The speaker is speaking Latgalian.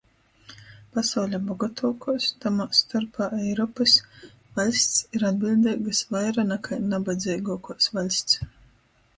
Pasauļa bogotuokuos, tamā storpā Eiropys, vaļsts ir atbiļdeigys vaira nakai nabadzeiguokuos vaļsts.